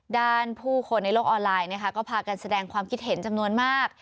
ด้านผู้คนในโลกออนไลน์นะคะก็พากันแสดงความคิดเห็นจำนวนมาก